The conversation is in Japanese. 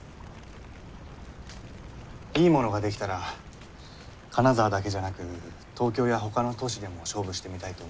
いいものが出来たら金沢だけじゃなく東京やほかの都市でも勝負してみたいと思う。